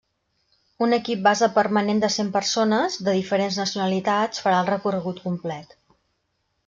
Un equip base permanent de cent persones de diferents nacionalitats farà el recorregut complet.